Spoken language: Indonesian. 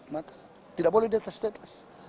maka tidak boleh diatas status